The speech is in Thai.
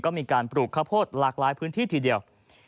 ก็มีการปลูกข้าวโพดหลากหลายพื้นที่ทีเดียว